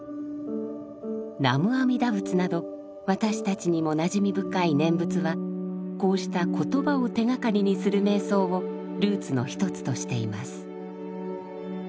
「南無阿弥陀仏」など私たちにもなじみ深い念仏はこうした言葉を手がかりにする瞑想をルーツの一つとしています。